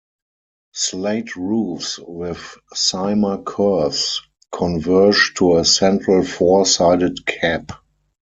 Slate roofs with cyma curves converge to a central four-sided cap.